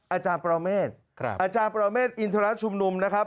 อาจารย์ประมาทอาจารย์ประมาทอินทรัศน์ชุมนุมนะครับ